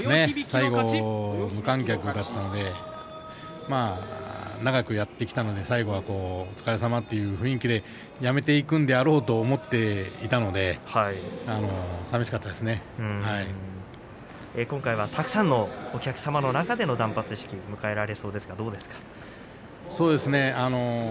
最後、無観客だったので長くやってきたので最後お疲れさまという雰囲気で辞めていくんだろうと思っていたので今回はたくさんのお客様の中での断髪式を迎えられそうですね。